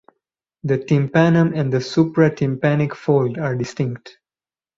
The tympanum and the supratympanic fold are distinct.